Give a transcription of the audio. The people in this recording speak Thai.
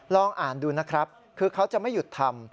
ลองอ่านดูนะครับคือเขาจะไม่หยุดทำ